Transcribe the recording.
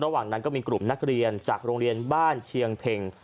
ระหว่างนั้นก็มีกลุ่มนักเรียนจากโรงเรียนบ้านเชียงเพ็ง